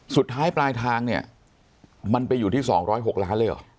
สุดท้ายปลายทางเนี่ยมันไปอยู่ที่๒๐๖ล้านเลยเหรอ